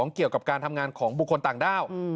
เกี่ยวกับการทำงานของบุคคลต่างด้าว